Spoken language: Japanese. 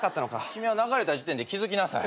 君は流れた時点で気付きなさい。